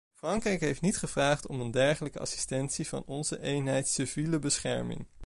Frankrijk heeft niet gevraagd om een dergelijke assistentie van onze eenheid civiele bescherming.